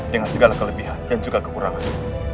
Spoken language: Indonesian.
dengan segala kelebihan dan juga kekurangan